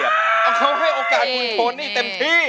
เอาเขาให้โอกาสคุณโทนี่เต็มที่